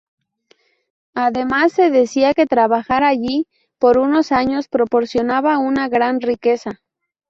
Además se decía que trabajar allí por unos años proporcionaba una gran riqueza.